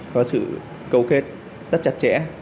có sự cầu kết rất chặt chẽ